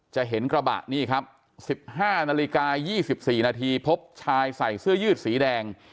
จะเห็นกระบะนี่ครับ๑๕นาฬิกา๒๔นาทีพบชายใส่เสื้อยืดสีแดง